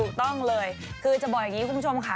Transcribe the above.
ถูกต้องเลยคือจะบอกอย่างนี้คุณผู้ชมค่ะ